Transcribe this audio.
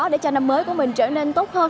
để cho năm mới của mình trở nên như thế nào